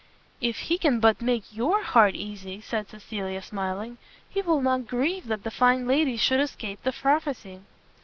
"If he can but make your heart easy," said Cecilia, smiling, "we will not grieve that the fine ladies should escape the prophecy."